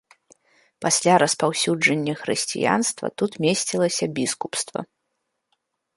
Пасля распаўсюджання хрысціянства тут месцілася біскупства.